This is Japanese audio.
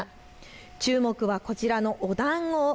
注目はこちらのおだんご。